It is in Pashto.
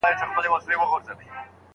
دا هغه نظر دی چي په اروپا کي يې وده وکړه.